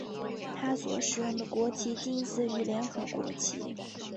它所使用的国旗近似于联合国旗。